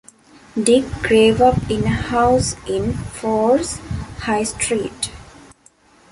Dick grew up in a house in Forres High Street.